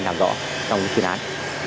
làm rõ trong chuyên án